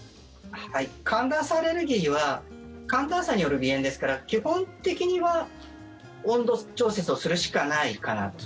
寒暖差アレルギーは寒暖差による鼻炎ですから基本的には温度調節をするしかないかなと。